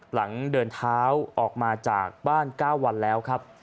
หลังเดินเท้าออกมาจากบ้าน๙วันแล้วครับ